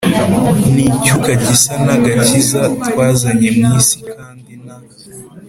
Ni icyuka gisa nta gakiza twazanye mu isi kandi nta